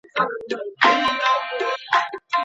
ولي مدام هڅاند د با استعداده کس په پرتله لاره اسانه کوي؟